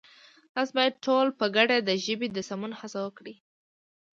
تاسو بايد ټول په گډه د ژبې د سمون هڅه وکړئ!